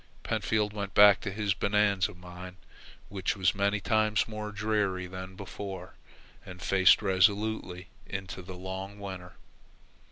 Pentfield went back to his Bonanza mine, which was many times more dreary than before, and faced resolutely into the long winter.